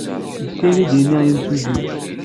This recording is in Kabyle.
Get ayen ay d-yenna yimsujji.